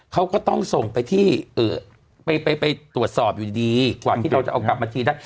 เขาก็ต้องส่งไปที่ไปตรวจสอบอยู่ดีกว่าที่เราจะเอากลับมาจีนได้